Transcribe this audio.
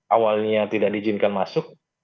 awalnya tidak diizinkan masuk